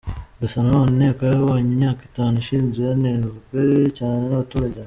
Gusa nanone inteko yayoboye imyaka itanu ishize yanenzwe cyane n’abaturage.